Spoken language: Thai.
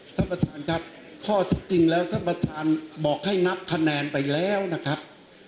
ท่านประธานครับข้อที่จริงแล้วท่านประธานบอกให้นับคะแนนไปแล้วนะครับ